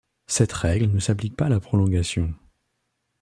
Cette règle ne s'applique pas à la prolongation.